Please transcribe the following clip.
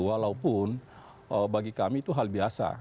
walaupun bagi kami itu hal biasa